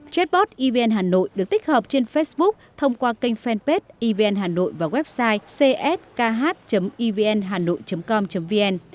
chatbot evn hà nội được tích hợp trên facebook thông qua kênh fanpage evn hà nội và website cskh evnhanoi com vn